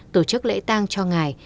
tổ chức lễ tăng cho ngài